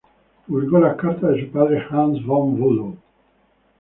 Publicó las cartas de su padre Hans von Bülow.